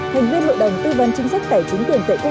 thành viên lội đồng tư vấn chính sách tài chính tiền tệ